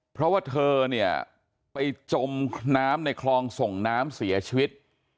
เพราะว่าเธอเนี่ยไปจมน้ำในคลองส่งน้ำเสียชีวิต